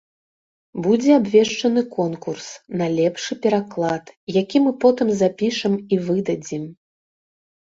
Будзе абвешчаны конкурс на лепшы пераклад, які мы потым запішам і выдадзім.